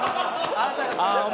あなたが好きだから！